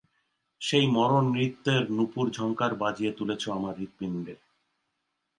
সেই মরণনৃত্যের নূপুর-ঝংকার বাজিয়ে তুলেছ আমার হৃৎপিণ্ডে।